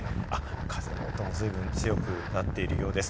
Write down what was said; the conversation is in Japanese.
風の音もずいぶん強くなっているようです。